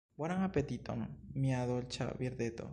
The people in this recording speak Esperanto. Bonan apetiton, mia dolĉa birdeto.